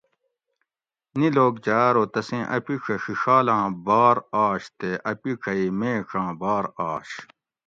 نی لوک جا ارو تسیں ا پِیڄہ ڛِڛالاں بار آش تے ا پِیڄہ ای میڄاں بار آش